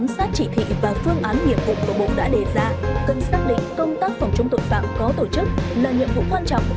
sát chỉ thị và phương án nghiệp vụ mà bộ đã đề ra cần xác định công tác phòng chống tội phạm có tổ chức là nhiệm vụ quan trọng